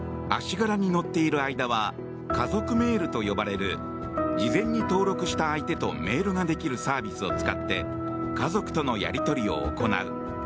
「あしがら」に乗っている間は家族メールと呼ばれる事前に登録した相手とメールができるサービスを使って家族とのやり取りを行う。